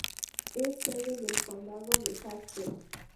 Es sede del condado de Jasper.